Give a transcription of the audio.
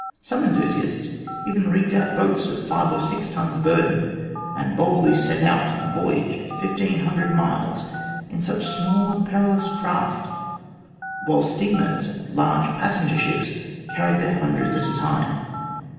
Some enthusiasts even rigged out boats of five or six tons' burden, and boldly set out on a voyage of 1500 miles in such small and perilous craft, while steamers and large passenger ships carried their hundreds at a time.